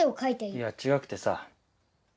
いや違くてさ。